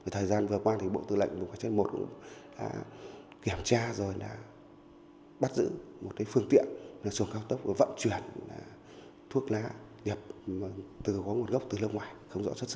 thời gian vừa qua bộ tư lệnh đã kiểm tra rồi bắt giữ một cái phương tiện xuồng cao tốc vận chuyển thuốc lá nhập từ một góc từ lâu ngoài không rõ chất xứ